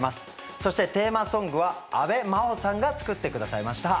そしてテーマソングは阿部真央さんが作ってくださいました。